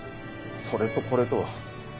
それとこれとは。